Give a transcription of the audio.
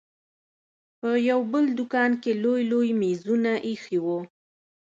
په يو بل دوکان کښې لوى لوى مېزونه ايښي وو.